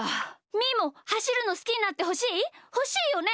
みーもはしるのすきになってほしい？ほしいよね！？